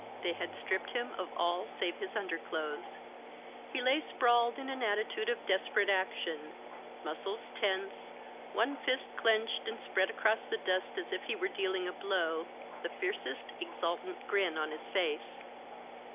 They had stripped him of all save his underclothes. He lay sprawled in an attitude of desperate action, muscles tense, one fist clenched and spread across the dust as if he were dealing a blow ; the fiercest exultant grin on his face.